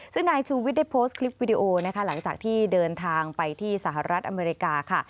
ซึ่งนายชูวิทย์ได้โพสต์คลิปวิดีโอนะคะหลังจากที่เดินทางไปที่สหรัฐอเมริกาค่ะ